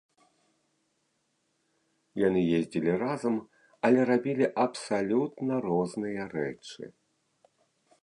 Яны ездзілі разам, але рабілі абсалютна розныя рэчы.